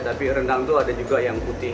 tapi rendang itu ada juga yang putih